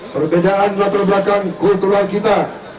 perbedaan latar belakang kultural kita